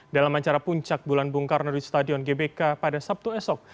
dalam acara puncak bulan bungkar nari stadion gbk pada sabtu esok